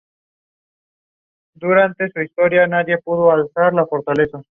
Antonio Márquez López.